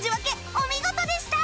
お見事でした